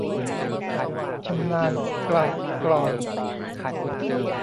ชำนาญเกลากลอน